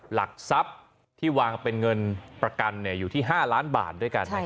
หลักทรัพย์ที่วางเป็นเงินประกันอยู่ที่๕ล้านบาทด้วยกัน